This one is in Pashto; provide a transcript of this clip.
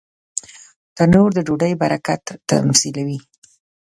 تنور د ډوډۍ برکت تمثیلوي